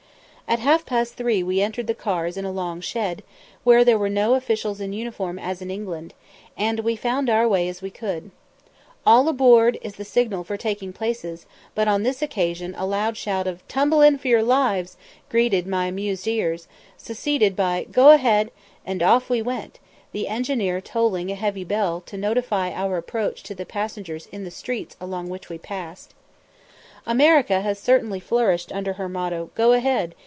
At half past three we entered the cars in a long shed, where there were no officials in uniform as in England, and we found our way in as we could. "All aboard!" is the signal for taking places, but on this occasion a loud shout of "Tumble in for your lives!" greeted my amused ears, succeeded by "Go a head!" and off we went, the engineer tolling a heavy bell to notify our approach to the passengers in the streets along which we passed. America has certainly flourished under her motto "Go a head!"